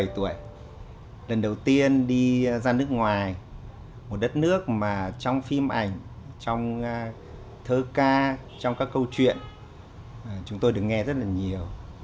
một mươi tuổi lần đầu tiên đi ra nước ngoài một đất nước mà trong phim ảnh trong thơ ca trong các câu chuyện chúng tôi được nghe rất là nhiều